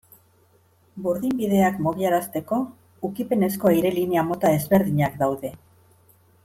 Burdinbideak mugiarazteko ukipenezko aire-linea mota ezberdinak daude.